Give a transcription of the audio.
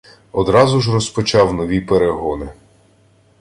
Одразу ж розпочав нові перегони